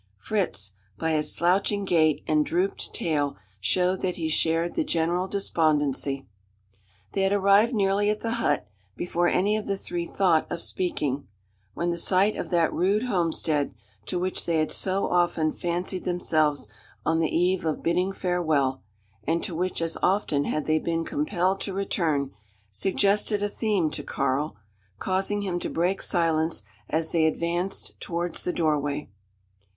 Fritz, by his slouching gait and drooped tail, showed that he shared the general despondency. They had arrived nearly at the hut, before any of the three thought of speaking; when the sight of that rude homestead, to which they had so often fancied themselves on the eve of bidding farewell and to which as often had they been compelled to return suggested a theme to Karl: causing him to break silence as they advanced towards the doorway.